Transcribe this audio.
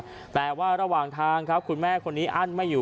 แต่ว่าระหว่างทางครับคุณแม่คนนี้อั้นไม่อยู่